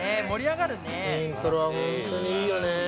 イントロは本当にいいよね。